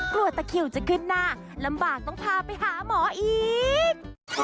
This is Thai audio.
ตะคิวจะขึ้นหน้าลำบากต้องพาไปหาหมออีก